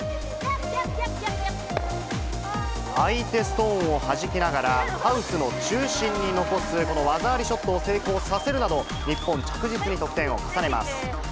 相手ストーンをはじきながら、ハウスの中心に残す、この技ありショットを成功させるなど日本、着実に得点を重ねます。